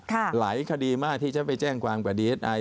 หลายคดีมากที่ฉันไปแจ้งความกว่าดีเอสไอ